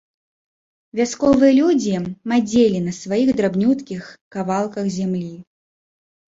Вясковыя людзі мадзелі на сваіх драбнюткіх кавалках зямлі.